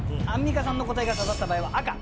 アンミカさんの答えが刺さった場合は赤。